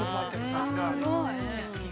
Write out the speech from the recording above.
さすが。